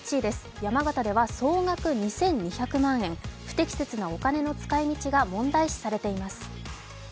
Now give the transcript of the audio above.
山形では総額２２００万円、不適切なお金の使い道が問題視されています。